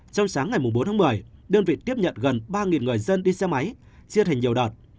trong sáng ngày bốn tháng một mươi đơn vị tiếp nhận gần ba người dân đi xe máy chia thành nhiều đoạn